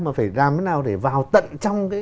mà phải làm thế nào để vào tận trong